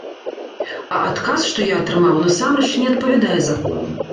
А адказ, што я атрымаў, насамрэч не адпавядае закону.